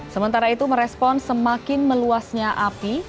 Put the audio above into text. sementara itu merespon semakin meluasnya api